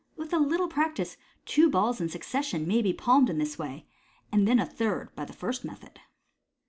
With a little practice, two balls in succession may be palmed in this way, and then a third by the first method.